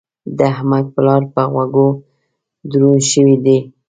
د احمد پلار په غوږو دروند شوی دی.